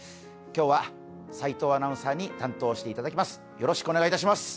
今日は齋藤アナウンサーに担当していただきます。